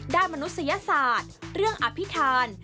ด้านมนุษยศาสตร์เรื่องอภิษฐาน